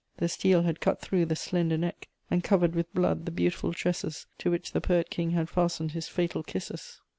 The steel had cut through the slender neck, and covered with blood the beautiful tresses to which the poet King had fastened his fatal kisses.